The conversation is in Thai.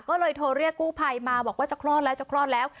ก็เลยโทรเรียกกู้ภัยมาบอกว่าจะคลอดแล้วจะคลอดแล้ว